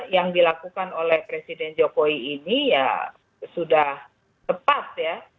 yang dilakukan oleh presiden jokowi ini ya sudah tepat ya